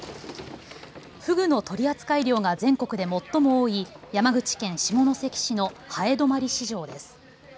フグの取扱量が全国で最も多い山口県下関市の南風泊市場です。